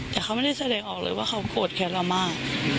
แต่เขาไม่ได้แสดงออกเลยว่าเขาโกรธแค้นเรามาก